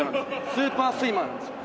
スーパースイマーなんですよ。